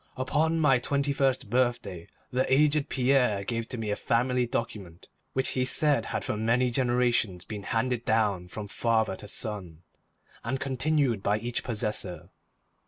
Upon my twenty first birthday, the aged Pierre gave to me a family document which he said had for many generations been handed down from father to son, and continued by each possessor.